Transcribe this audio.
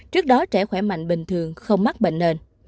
trước đó trẻ khỏe mạnh bình thường không mắc bệnh nền